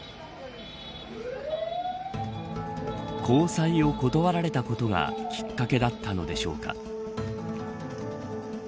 交際を断られたことがきっかけだったのでしょうか。